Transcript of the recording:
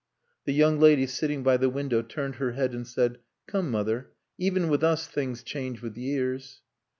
The young lady sitting by the window turned her head and said "Come, mother. Even with us things change with years."